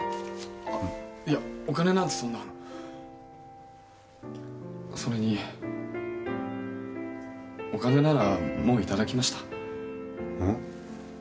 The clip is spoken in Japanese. お金なんてそんなそれにお金ならもういただきましたうん？